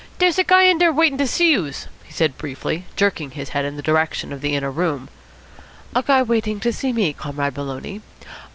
"Dere's a guy in dere waitin' ter see youse," he said briefly, jerking his head in the direction of the inner room. "A guy waiting to see me, Comrade Maloney?